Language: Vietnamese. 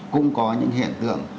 cũng có những hiện tượng